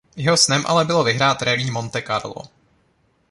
Jeho snem ale bylo vyhrát Rallye Monte Carlo.